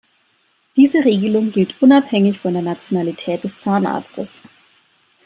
Diese Regelung gilt unabhängig von der Nationalität des Zahnarztes.